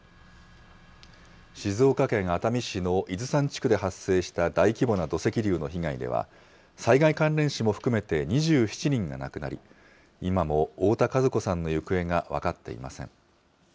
静岡県熱海市の伊豆山地区で発生した大規模な土石流の被害では、災害関連死も含めて２７人が亡くなり、今も太田和子さんの行方が分かっていません。